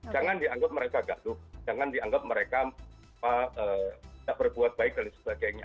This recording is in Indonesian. jangan dianggap mereka gaduh jangan dianggap mereka tidak berbuat baik dan sebagainya